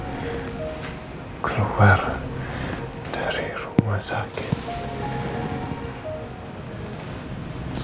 yang keluar dari rumah sakit